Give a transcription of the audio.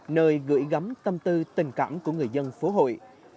nơi gửi gắm tâm tư tình cảm của người dân phố hội